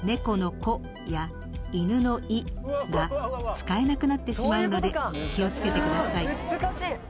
この「こ」やいぬの「い」が使えなくなってしまうので気をつけてください。